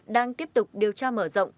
đang tiếp tục điều tra mở rộng